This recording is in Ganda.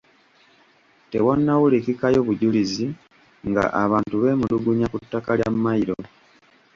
Tewannawulikikayo bujulizi nga abantu beemulugunya ku ttaka lya mmayiro.